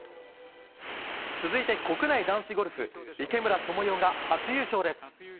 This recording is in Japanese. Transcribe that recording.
続いて国内男子ゴルフ、池村寛世が初優勝です。